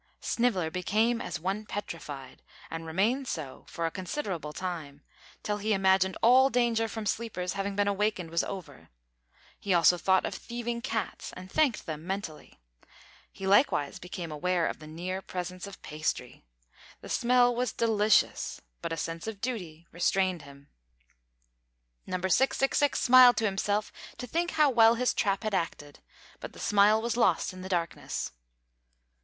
Sniveller became as one petrified, and remained so for a considerable time, till he imagined all danger from sleepers having been awakened was over. He also thought of thieving cats, and thanked them mentally. He likewise became aware of the near presence of pastry. The smell was delicious, but a sense of duty restrained him. Number 666 smiled to himself to think how well his trap had acted, but the smile was lost in darkness.